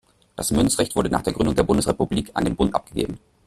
Das Münzrecht wurde nach der Gründung der Bundesrepublik an den Bund abgegeben.